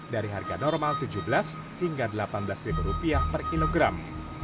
dari harga normal rp tujuh belas hingga rp delapan belas per kilogram